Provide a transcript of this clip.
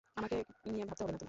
আমাকে নিয়ে ভাবতে হবে না তোমার।